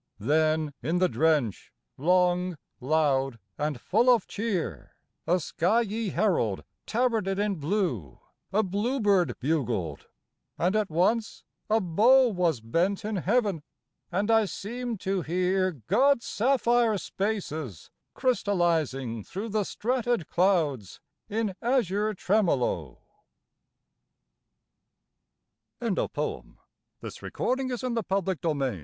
Then in the drench, long, loud and full of cheer, A skyey herald tabarded in blue, A bluebird bugled ... and at once a bow Was bent in heaven, and I seemed to hear God's sapphire spaces crystallizing through The strata'd clouds in azure tremolo. CAN SUCH THINGS BE? Meseemed that while she playe